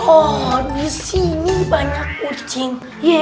oh disini banyak kucing